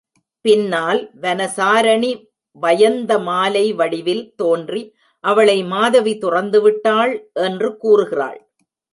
பின்னால் வனசாரணி வயந்தமாலை வடிவில் தோன்றி அவளை மாதவி துறந்துவிட்டாள் என்று கூறுகிறாள்.